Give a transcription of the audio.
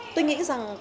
tôi nghĩ rằng